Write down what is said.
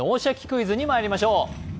クイズ」にまいりましょう。